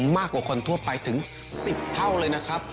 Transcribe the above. มากกว่าคนทั่วไปถึง๑๐เท่าเลยนะครับ